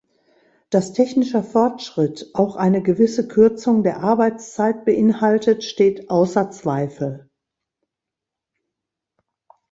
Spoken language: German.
Dass technischer Fortschritt auch eine gewisse Kürzung der Arbeitszeit beinhaltet, steht außer Zweifel.